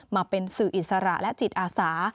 มาเป็นสื่ออิสระและจิตอาสา